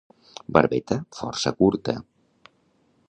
Barbeta força curta.